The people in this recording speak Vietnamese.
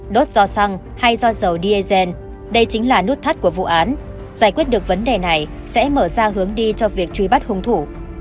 đốt do xăng hay do dầu diesel đây chính là nút thắt của vụ án giải quyết được vấn đề này sẽ mở ra hướng đi cho việc truy bắt hung thủ